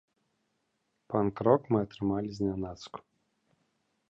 Панк-рок мы атрымалі знянацку.